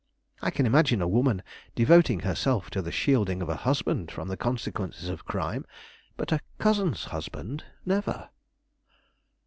I can imagine a woman devoting herself to the shielding of a husband from the consequences of crime; but a cousin's husband, never."